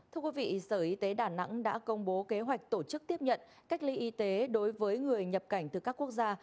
thưa quý vị sở y tế đà nẵng đã công bố kế hoạch tổ chức tiếp nhận cách ly y tế đối với người nhập cảnh từ các quốc gia